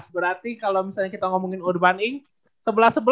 berarti kalau misalnya kita ngomongin urban inc